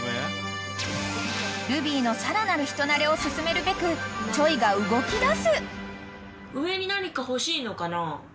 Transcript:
［ルビーのさらなる人馴れを進めるべくｃｈｏｙ？が動きだす］